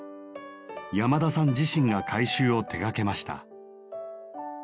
やまださん自身が改修を手がけました。